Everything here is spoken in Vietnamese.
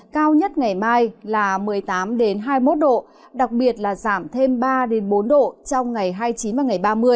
cao nhất ngày mai là một mươi tám hai mươi một độ đặc biệt là giảm thêm ba bốn độ trong ngày hai mươi chín và ngày ba mươi